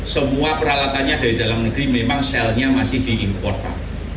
semua peralatannya dari dalam negeri memang sel nya masih di import pak